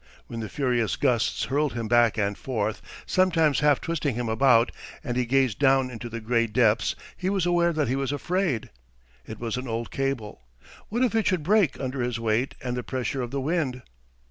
When the furious gusts hurled him back and forth, sometimes half twisting him about, and he gazed down into the gray depths, he was aware that he was afraid. It was an old cable. What if it should break under his weight and the pressure of the wind?